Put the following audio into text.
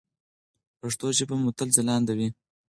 پښتو ژبه مو تل ځلانده وي.